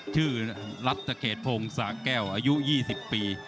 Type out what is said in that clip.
ชื่อรัฐเขตพงศาแก้วอายุ๒๐ปี